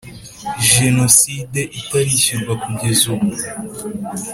Jenoside itarishyurwa kugeza ubu